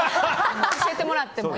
教えてもらってもね。